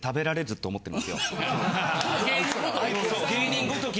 芸人ごとき。